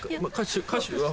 歌手は？